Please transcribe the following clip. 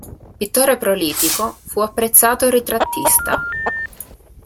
Pittore prolifico, fu apprezzato ritrattista.